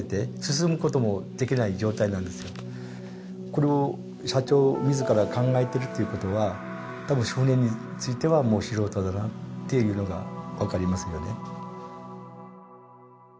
これを社長自ら考えてるっていうことはたぶん船についてはもう素人だなっていうのがわかりますよね。